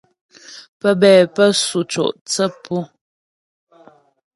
Pə́bɛ pə́ sʉ co' thə́ pu.